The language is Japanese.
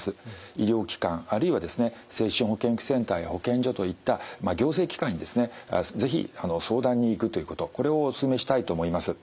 医療機関あるいはですね精神保健福祉センターや保健所といった行政機関にですね是非相談に行くということこれをお勧めしたいと思います。